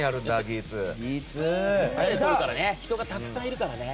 人がたくさんいるからね。